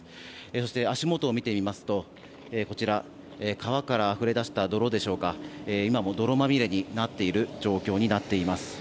そして、足元を見てみますと川からあふれ出した泥でしょうか今も泥まみれになっている状況になっています。